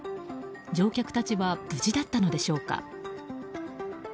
乗客たちは無事だったのでしょうか。